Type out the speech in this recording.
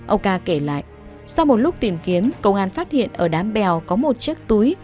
ông ca kể lại sau một lúc tìm kiếm công an phát hiện ở đám bèo có một chiếc túi